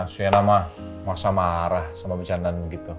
syena mah masa marah sama bercandanya gitu